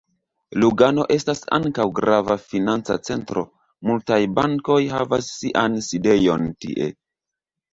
Lugano estas ankaŭ grava financa centro: multaj bankoj havas sian sidejon tie.